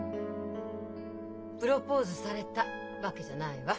・プロポーズされたわけじゃないわ。